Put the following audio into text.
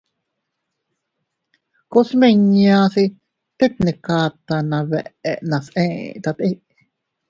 Ku smiñase tet ne kata na beʼe nas etate.